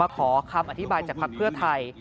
มาขอคำอธิบายจากพรรคเพื่อไทย